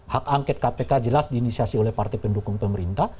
hak angket kpk jelas diinisiasi oleh partai pendukung pemerintah